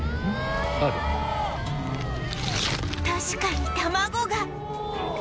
確かに卵が